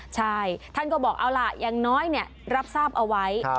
ใช่ท่านก็บอกเอาล่ะอย่างน้อยรับทราบเอาไว้